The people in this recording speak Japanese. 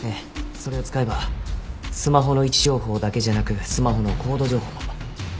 それを使えばスマホの位置情報だけじゃなくスマホの高度情報も。